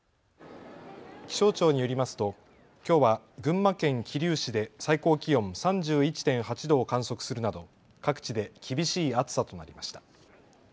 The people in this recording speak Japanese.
気象庁によりますときょうは群馬県桐生市で最高気温３１．８度を観測するなど各地で厳しい暑さとなりました。